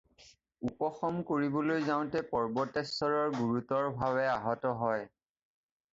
উপশম কৰিবলৈ যাওঁতে পৰ্বতেশ্বৰ গুৰুতৰভাৱে আহত হয়।